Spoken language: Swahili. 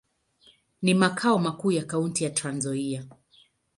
Ni makao makuu ya kaunti ya Trans-Nzoia.